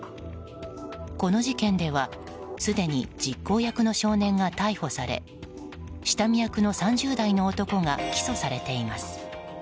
この事件ではすでに実行役の少年が逮捕され下見役の３０代の男が起訴されています。